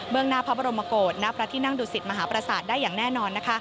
เบื้องหน้าพระบรมโกรธณพระทินั่งดุศิษฐ์มหาประสาทได้อย่างแน่นอน